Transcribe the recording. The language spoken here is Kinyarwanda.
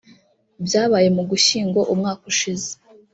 Byabaye mu Gushyingo umwaka ushize